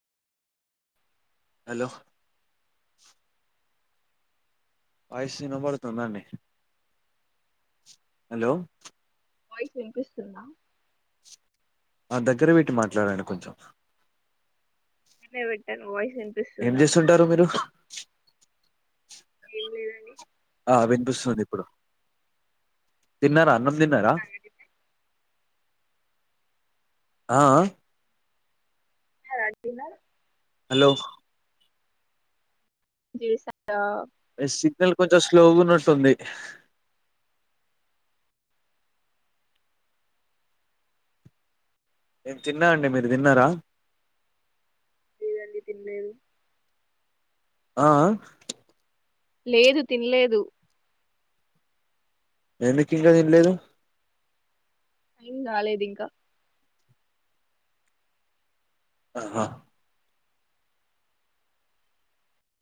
hello వయసు నబడుతుంద అండి హలో వాయిస్ వినిపిస్తుందా ఆ దగ్గరవిటి మాట్లాడాను కొంచెం అ విట్టను పో ఏం చేస్తుంటారు మీరు ఏం లేదండి ఆ వినిపిస్తుంది ఇప్పుడు తిన్నారా అన్నం తిన్నారా తిన్నారా ఆ రాజన్నారు హలో స సిగ్నల్ కొంచెం స్లోగా ఉన్నట్టుంది నేను తిన్నా అండి మీరు తిన్నారా ఇదండి తిన్న ఆ లేదు తినలేదు ఎందుకు ఇంకా నిల్లేదు అయిన్ రాలేదు ఇంకా ఆహా